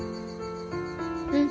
うん。